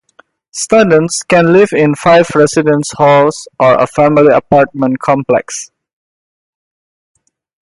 Students can live in five residence halls or a family apartment complex.